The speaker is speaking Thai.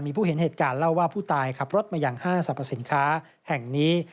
มีผู้เห็นเหตุการณ์เล่าว่าผู้ตายขับรถมาอย่างห้างสรรพสินค้าแห่งนี้